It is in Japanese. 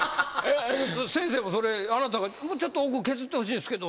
先生もそれあなたが「もうちょっと奥削ってほしいんですけど」